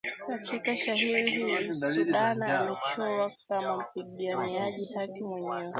Katika shairi hili Sudana amechorwa kama mpiganiaji haki mwenye